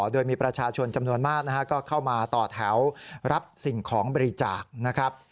โดยมีประชาชนจำนวนมากนะฮะก็เข้ามาต่อแถวรับสิ่งของบริจาคนะครับ